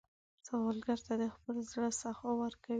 سوالګر ته د خپل زړه سخا ورکوئ